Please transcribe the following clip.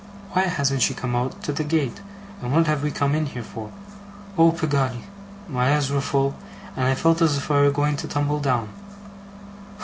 Why hasn't she come out to the gate, and what have we come in here for? Oh, Peggotty!' My eyes were full, and I felt as if I were going to tumble down.